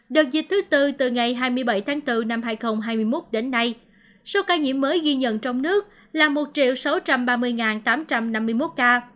đợt dịch thứ tư từ ngày hai mươi bảy tháng bốn năm hai nghìn hai mươi một đến nay số ca nhiễm mới ghi nhận trong nước là một sáu trăm ba mươi tám trăm năm mươi một ca